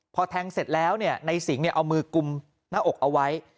พอแทงเสร็จแล้วในสิงห์เอามือกุมหน้าอกเอาไว้